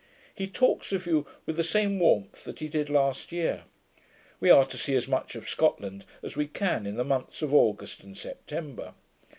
He talks of you with the same warmth that he did last year. We are to see as much of Scotland as we can, in the months of August and September.